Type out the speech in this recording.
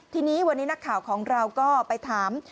ทีนี้วันนี้นักข่าวของเราก็ไปถาม